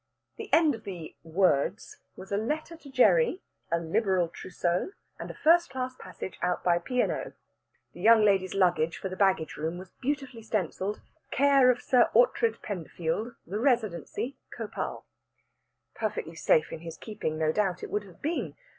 The end of the "words" was a letter to Gerry, a liberal trousseau, and a first class passage out by P. and O. The young lady's luggage for the baggage room was beautifully stencilled "Care of Sir Oughtred Penderfield, The Residency, Khopal." Perfectly safe in his keeping no doubt it would have been.